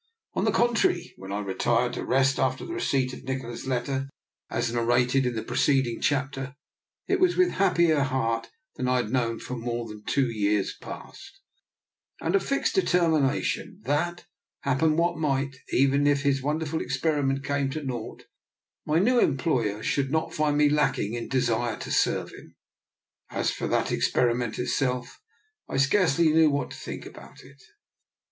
On the contrary, when I retired to rest after the receipt of Nikola's letter, as narrated in the preceding chapter, it was with a happier heart than I had known for more than two years past, and a fixed determination that, happen what might, even if his wonderful experiment came to nought, my new employer should not find me lacking in desire to serve him. As for that experiment itself, I scarcely knew what to think about it.